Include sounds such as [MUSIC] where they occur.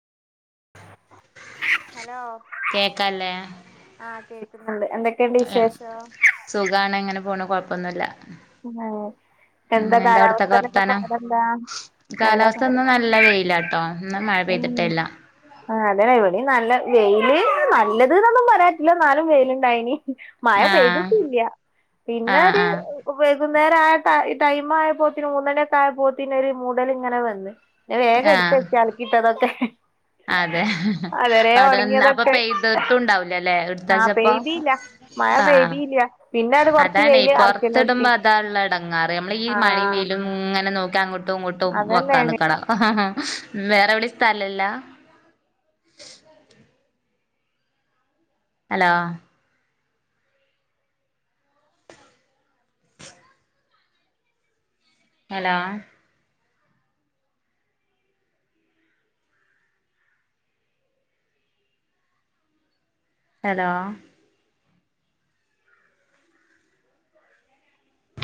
hello കേക്കല്ലേ ആഹ കേക്കുന്നുണ്ട് എന്തൊക്കെയുണ്ട് വിശേഷം സുഖമാണ് അങ്ങനെ പോണു കൊഴപ്പൊന്നുല്ല [UNINTELLIGIBLE] ഉം എന്താ അവിടത്തൊക്കെ കാലാവസ്ഥയിലൊക്കെ വർത്താനം പാടെന്താ നല്ല കാലാവസ്ഥ പാട് ഇന്ന് നല്ല വെയിലാട്ടോ ഇന്ന് മഴ പെയ്തിട്ടില്ല ആ അതേന എവിണ നല്ല വെയില് നല്ലത് എന്നൊന്നും പറരാറ്റില്ല നാലും വെയില ഇണ്ടായിന് മഴ ആഹ് പെയ്തിട്ടല്ല പിന്നെ ആഹ് ഒരു ആഹ് വൈകുന്നേരം ആയപ്പോ ഈ ടൈം ആയപ്പോത്തിന് മൂന്നുമണിയൊക്കെ ആയപ്പോത്തിനു ഒരു മൂടൽ ഇങ്ങനെ വന്ന് വേഗം എടുത്ത് ആഹ് വെക്ക അലക്കിട്ടൊതൊക്കെ അതെ അപ്പൊ അവടെ പെയ്തിട്ടുംണ്ടാവൂല അല്ലെ ആഹ് എടുത്തെച്ചപ്പോ പെയ്തീല്ല മഴ പെയ്തില്ല പിന്നെ അങ്ങട് കൊറച്ച് വെയില് [UNINTELLIGIBLE] [UNINTELLIGIBLE] ഇടുമ്പോൾ അതാ ഉള്ള ഇടങ്ങാറ് നമ്മൾ ഈ മഴയും ആഹ് വെയിലും ഇങ്ങനെ നോക്കി അങ്ങോട്ടും അങ്ങോട്ടും അതന്നെ വെക്കാൻ നിൽക്കണം ആ വേറെ എവിടെം സ്ഥലല്ല ഹലോ ഹലോ ഹലോ